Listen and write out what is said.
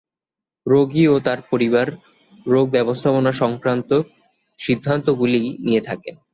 রোগী ও তার পরিবার রোগ ব্যবস্থাপনা সংক্রান্ত সিদ্ধান্তগুলি নিয়ে থাকেন।